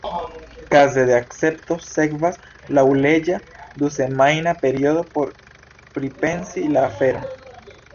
Kaze de akcepto sekvas laŭleĝa dusemajna periodo por repripensi la aferon.